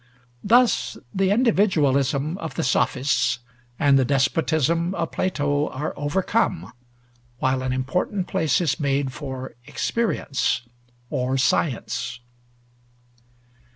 Thus the individualism of the Sophists and the despotism of Plato are overcome, while an important place is made for experience, or science.